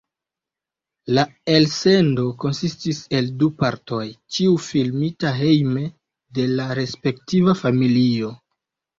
La elsendo konsistis el du partoj, ĉiu filmita hejme de la respektiva familio.